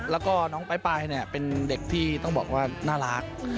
แล้วก็น้องปลายเป็นเด็กที่ต้องบอกว่าน่ารัก